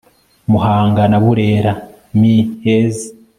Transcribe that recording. muhanga na burera mi heza